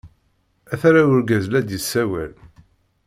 Ataya urgaz la d-yessawal.